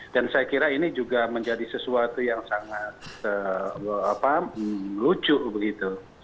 dan saya kira ini juga menjadi sesuatu yang sangat lucu begitu